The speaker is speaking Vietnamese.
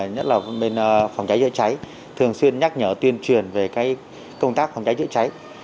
nhất là bên phòng cháy chữa cháy thường xuyên nhắc nhở tuyên truyền về công tác phòng cháy chữa cháy